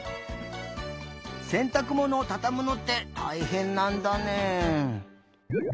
せんたくものをたたむのってたいへんなんだね。